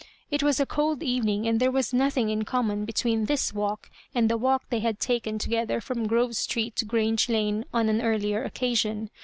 It was a cold evening, fuid there was nothing in common between this walk and the walk they had taken together from Grove Street to Grange Lane on an earUer occasion.